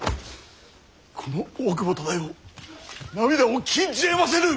この大久保忠世涙を禁じえませぬ！